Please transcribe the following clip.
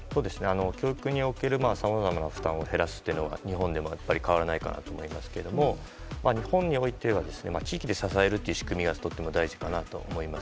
教育におけるさまざまな負担を減らすというのは日本でも変わらないかなと思いますけど日本においては地域で支えるという仕組みがとても大事かなと思います。